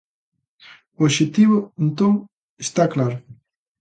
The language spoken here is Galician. O obxectivo, entón, está claro.